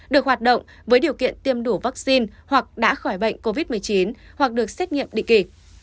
được hoạt động với điều kiện tiêm đủ vaccine hoặc đã khỏi bệnh covid một mươi chín hoặc được xét nghiệm định kỳ